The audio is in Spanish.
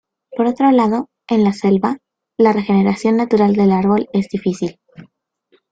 Por otro lado, en la selva, la regeneración natural del árbol es difícil.